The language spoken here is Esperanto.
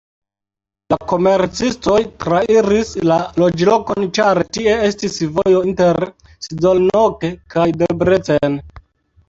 La komercistoj trairis la loĝlokon, ĉar tie estis vojo inter Szolnok kaj Debrecen.